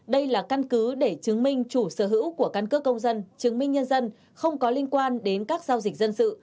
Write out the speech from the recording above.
đây là căn cứ để chứng minh chủ sở hữu của căn cước công dân chứng minh nhân dân không có liên quan đến các giao dịch dân sự